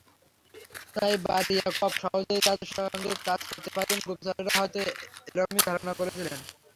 তাই বারিয়াকভ সহজেই তাঁদের সঙ্গে কাজ করতে পারবেন—গুপ্তচরেরা হয়তো এরকমই ধারণা করেছিলেন।